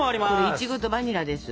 イチゴとバニラです。